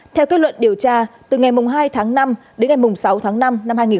theo kết luận điều tra từ ngày hai tháng năm đến ngày sáu tháng năm năm hai nghìn hai mươi